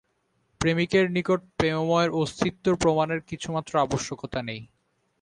প্রেমিকের নিকট প্রেমময়ের অস্তিত্ব-প্রমাণের কিছুমাত্র আবশ্যকতা নাই।